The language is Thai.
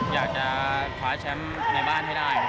อยากจะคว้าแชมป์ในบ้านให้ได้